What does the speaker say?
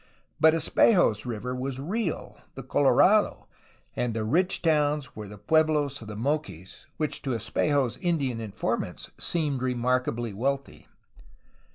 But Espejo^s riVer was real, the Colorado, and the ''rich towns'' were the pueblos of the Moquis, which to Espejo's Indian informants seemed remarkably wealthy.